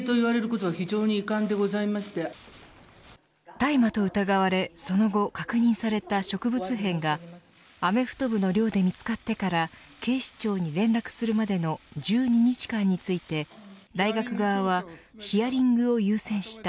大麻と疑われその後、確認された植物片がアメフト部の寮で見つかってから警視庁に連絡するまでの１２日間について大学側はヒアリングを優先した。